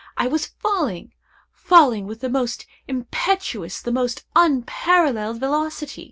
—I was falling—falling with the most impetuous, the most unparalleled velocity!